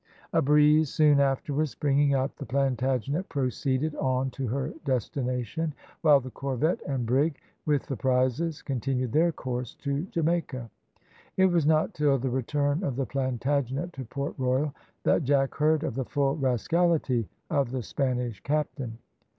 A breeze soon afterwards springing up, the Plantagenet proceeded on to her destination, while the corvette and brig, with the prizes, continued their course to Jamaica. It was not till the return of the Plantagenet to Port Royal, that Jack heard of the full rascality of the Spanish captain.